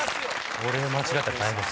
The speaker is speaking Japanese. これ間違ったら大変です。